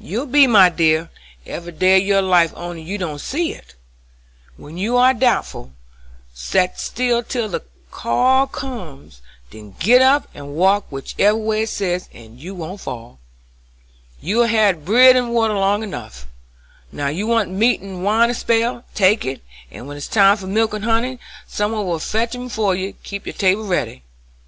"You be, my dear, every day of your life only you don't see it. When you are doubtful, set still till the call comes, then git up and walk whichever way it says, and you won't fall. You've had bread and water long enough, now you want meat and wine a spell; take it, and when it's time for milk and honey some one will fetch 'em ef you keep your table ready.